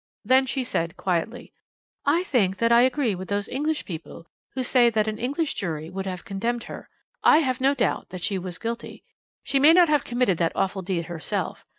Then she said quietly "I think that I agree with those English people who say that an English jury would have condemned her.... I have no doubt that she was guilty. She may not have committed that awful deed herself.